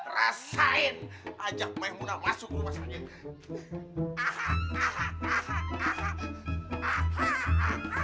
rasain ajak maimunah masuk rumah sakit